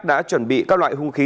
đã chuẩn bị các loại huyện phù mỹ